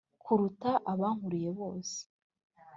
kuruta abankurikiye bose